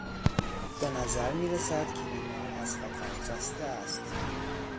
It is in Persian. به نظر میرسد که بیمار از خطر جسته است.